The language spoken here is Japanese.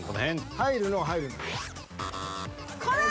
入るのは入るのよ。